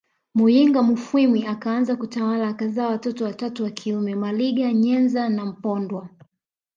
Muyinga mufwimi akaanza kutawala akazaa watoto watatu wa kiume Maliga Nyenza na Mpondwa